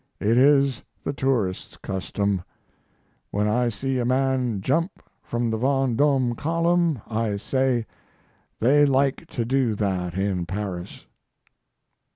It is the tourists' custom. When I see a man jump from the Vendome Column I say, 'They like to do that in Paris.'"